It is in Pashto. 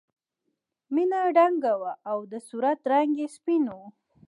مینه دنګه وه او د صورت رنګ یې سپین و